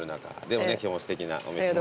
でもね今日もすてきなお召し物。